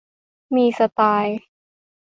มีสไตล์